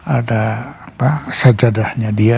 ada sajadahnya dia